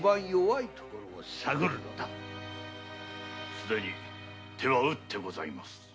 すでに手は打ってございます。